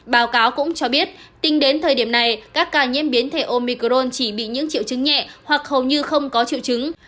báo cáo cũng cho biết tính đến thời điểm này các ca nhiễm biến thể omicron chỉ bị những triệu chứng nhẹ hoặc hầu như không có triệu chứng